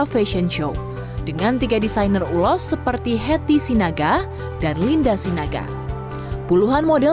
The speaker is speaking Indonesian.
fashion show dengan tiga desainer ulos seperti hatty sinaga dan linda sinaga puluhan model